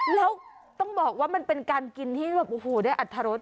แล้วต้องบอกว่ามันเป็นการกินที่แบบโอ้โหได้อัตรรส